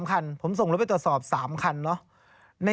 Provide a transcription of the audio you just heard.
๓คันผมส่งรถไปตรวจสอบ๓คันเนาะ